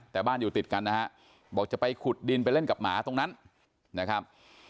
แต่บ้านอยู่ติดกันนะฮะบอกจะไปขุดดินไปเล่นกับหมาตรงนั้นนะครับ